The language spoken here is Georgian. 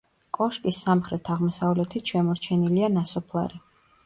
კოშკის სამხრეთ-აღმოსავლეთით შემორჩენილია ნასოფლარი.